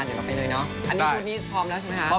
อันนี้ชุดนี้พร้อมแล้วใช่ไหมครับ